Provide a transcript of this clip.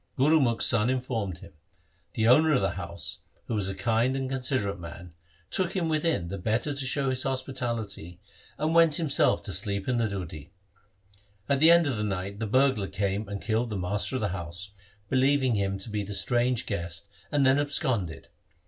Gurumukh's son informed him. The owner of the house, who was a kind and considerate man, took him within, the better to show his hospitality, and went himself to sleep in the deudhi. At the end of the night the burglar came and killed the master of the house, believing him to be the strange guest, and then absconded.